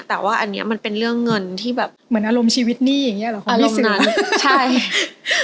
แต่ว่าอันนี้มันเป็นเรื่องเงินที่แบบเหมือนอารมณ์ชีวิตหนี้อย่างเงี้เหรอคะอารมณ์นั้นใช่